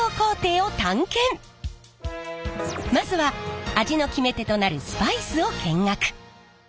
まずは味の決め手となるスパイスを見学。